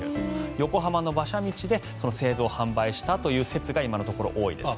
横浜の馬車道で製造・販売したという説が今のところ多いです。